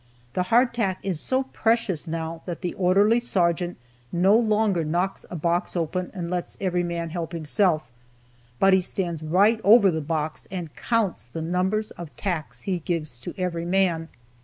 The hardtack is so precious now that the orderly sergeant no longer knocks a box open and lets every man help himself, but he stands right over the box and counts the number of tacks he gives to every man.